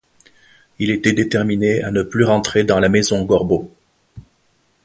Il était déterminé à ne plus rentrer dans la maison Gorbeau.